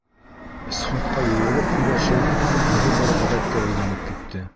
Сходҡа йыйылып һөйләшеү үҙе бер ғәҙәткә әйләнеп китте.